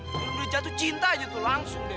baru baru jatuh cinta aja tuh langsung deh